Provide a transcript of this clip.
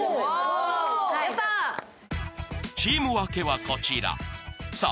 チーム分けはこちらさぁ